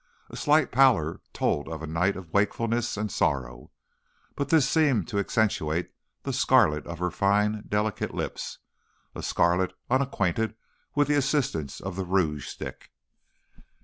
A slight pallor told of a night of wakefulness and sorrow, but this seemed to accentuate the scarlet of her fine, delicate lips, a scarlet unacquainted with the assistance of the rouge stick.